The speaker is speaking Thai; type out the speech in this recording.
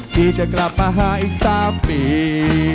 ที่จะกลับมาหาอีก๓ปี